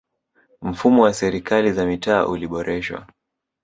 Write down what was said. mfumo wa serikali za mitaa uliboreshwa